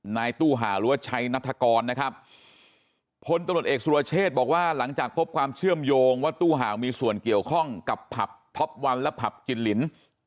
นายตู้ห่าวหรือว่าชัยนัฐกรนะครับพลตำรวจเอกสุรเชษบอกว่าหลังจากพบความเชื่อมโยงว่าตู้ห่าวมีส่วนเกี่ยวข้องกับผับท็อปวันและผับกินลิ้น